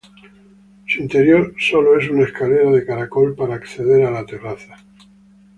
Su interior es sólo una escalera de caracol para acceder a la terraza.